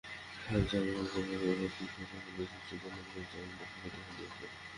ফলে যানবাহন চলাচলে ব্যাপক বিঘ্ন সৃষ্টিসহ জনজীবনে চরম দুর্ভোগ দেখা দিয়েছে।